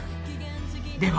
では。